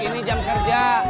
ini jam kerja